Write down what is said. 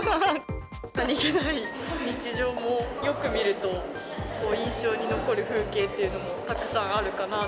何気ない日常も、よく見ると、印象に残る風景というのもたくさんあるかなと。